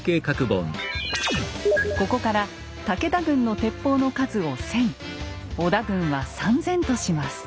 ここから武田軍の鉄砲の数を１，０００織田軍は３，０００とします。